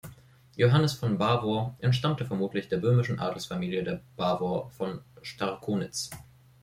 Johannes von Bavor entstammte vermutlich der böhmischen Adelsfamilie der Bavor von Strakonitz.